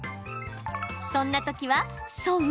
そんな時は、沿う？